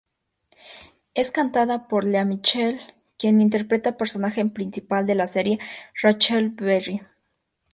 Es cantada por Lea Michele quien interpreta personaje principal de la serie, Rachel Berry.